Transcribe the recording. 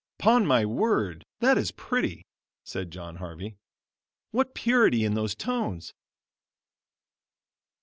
"'Pon my word, that is pretty," said John Harvey; "what purity in those tones!"